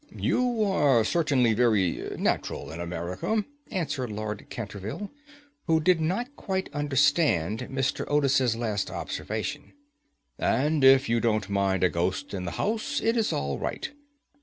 "You are certainly very natural in America," answered Lord Canterville, who did not quite understand Mr. Otis's last observation, "and if you don't mind a ghost in the house, it is all right.